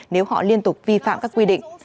nếu họ liên tục vi phạm các quy định